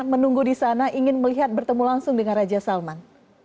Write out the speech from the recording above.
menunggu di sana ingin melihat bertemu langsung dengan raja salman